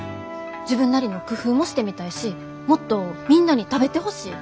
自分なりの工夫もしてみたいしもっとみんなに食べてほしい。